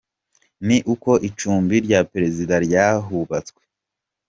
Ni uko icumbi rya perezida ryahubatswe.